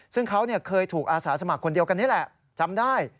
ซึ่งเขาเคยถูกอาสาสมัครคนเดียวกันนี่แหละจำได้